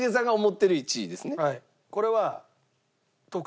これは。